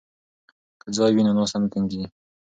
که ځای وي نو ناسته نه تنګیږي.